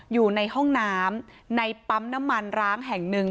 อยู่ในห้องน้ำในปั๊มน้ำมันร้างแห่งหนึ่ง